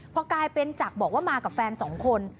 พอกลายเป็นจักรบอกว่ามากับแฟนสองคน